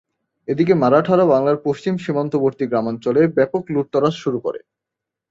এদিকে মারাঠারা বাংলার পশ্চিম সীমান্তবর্তী গ্রামাঞ্চলে ব্যাপক লুটতরাজ শুরু করে।